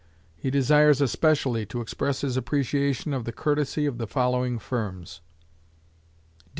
He desires especially to express his appreciation of the courtesy of the following firms: D.